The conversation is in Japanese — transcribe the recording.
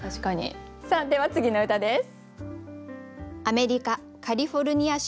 では次の歌です。